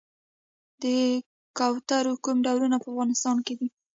د کوترو کوم ډولونه په افغانستان کې دي؟